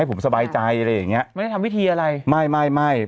ผมสบายใจอะไรอย่างเงี้ยไม่ได้ทำวิธีอะไรไม่ไม่ไม่